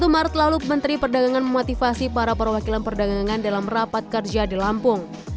satu maret lalu menteri perdagangan memotivasi para perwakilan perdagangan dalam rapat kerja di lampung